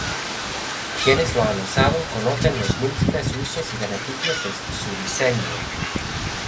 Quienes lo han usado conocen los múltiples usos y beneficios de su diseño.